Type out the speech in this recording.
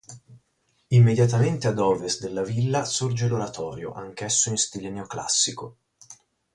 Immediatamente ad ovest della villa sorge l'oratorio, anch'esso in stile neoclassico.